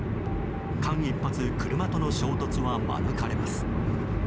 間一髪、車との衝突は免れます。